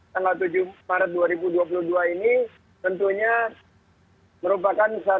tanggal tujuh maret dua ribu dua puluh dua ini tentunya merupakan